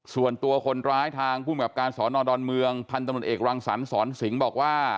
ส่วนตัวคนร้ายทางภูมิกับการสอนอดอนเมืองพันธุ์ตำรวจเอกรังสรรสอนสิงห์บอกว่า